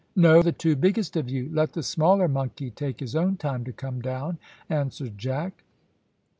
"No; the two biggest of you; let the smaller monkey take his own time to come down," answered Jack.